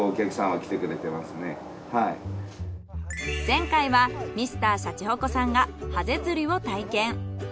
前回はＭｒ．シャチホコさんがハゼ釣りを体験。